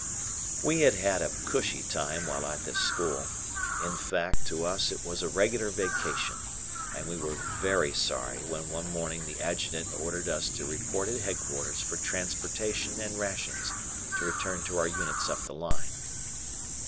We had had a cushy time while at this school. In fact, to us it was a regular vacation, and we were very sorry when one morning the Adjutant ordered us to report at headquarters for transportation and rations to return to our units up the line.